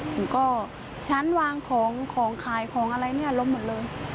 ถึงก็ฉันวางของของขายของอะไรเนี่ยล้มหมดเลย